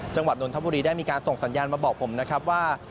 จังหวัดนทบุรีได้มีการส่งสัญญาณมาบอกผมนะครับว่า